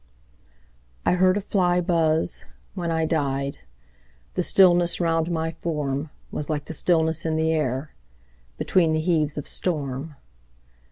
I heard a fly buzz when I died; The stillness round my form Was like the stillness in the air Between the heaves of storm.